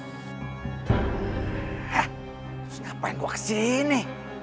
terus ngapain gue kesini